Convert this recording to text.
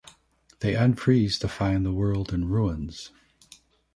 They unfreeze to find the world in ruins.